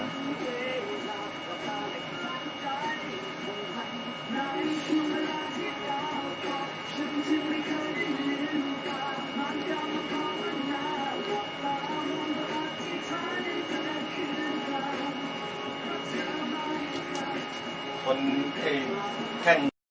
สวัสดีครับสวัสดีครับสวัสดีครับ